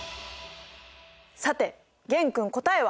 さて玄君答えは？